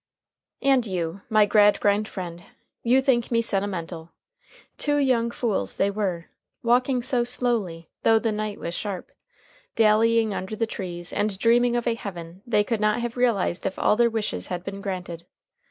And you, my Gradgrind friend, you think me sentimental. Two young fools they were, walking so slowly though the night was sharp, dallying under the trees, and dreaming of a heaven they could not have realized if all their wishes had been granted.